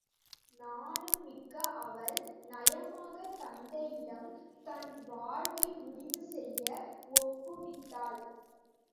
நாணம் மிக்க அவள் நயமாகத் தந்தையிடம் தன் வாழ்வை முடிவு செய்ய ஒப்புவித்தாள்.